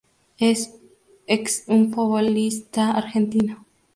Es ex un futbolista argentino.